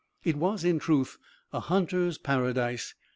It was in truth a hunter's paradise.